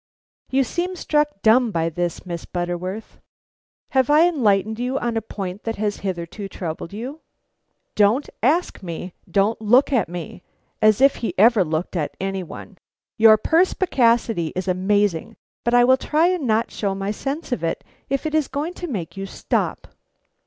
You seem struck dumb by this, Miss Butterworth. Have I enlightened you on a point that has hitherto troubled you?" "Don't ask me; don't look at me." As if he ever looked at any one! "Your perspicacity is amazing, but I will try and not show my sense of it, if it is going to make you stop."